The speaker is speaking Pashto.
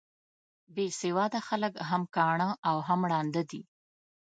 بې سواده خلک هم کاڼه او هم ړانده دي.